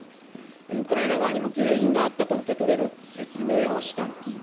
ウクライナ側にも原因があったと受け取れる説明をしたんです。